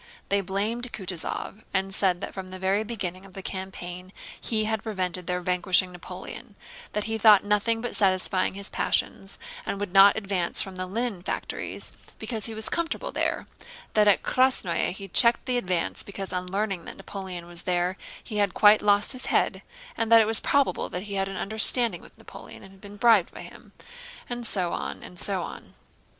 They blamed Kutúzov and said that from the very beginning of the campaign he had prevented their vanquishing Napoleon, that he thought of nothing but satisfying his passions and would not advance from the Linen Factories because he was comfortable there, that at Krásnoe he checked the advance because on learning that Napoleon was there he had quite lost his head, and that it was probable that he had an understanding with Napoleon and had been bribed by him, and so on, and so on.